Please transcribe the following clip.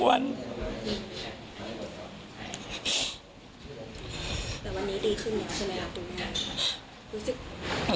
แต่วันนี้ดีขึ้นแล้วใช่ไหมอาตูน